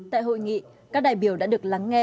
tại hội nghị các đại biểu đã được lắng nghe